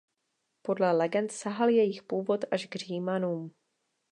Podle legend sahal jejich původ až k Římanům.